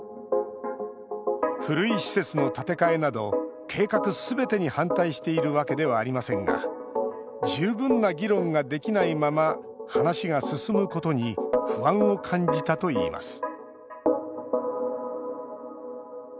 古い施設の建て替えなど計画すべてに反対しているわけではありませんが十分な議論ができないまま話が進むことに不安を感じたといいます